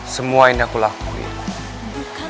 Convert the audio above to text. semuanya aku lakuin